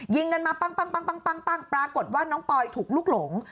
ยิงกันมาปั้งปรากฏว่าน้องปอยถูกลุกหลง